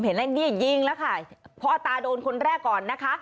เห็นแล้วเนี่ยยิงแล้วค่ะพ่อตาโดนคนแรกก่อนนะคะ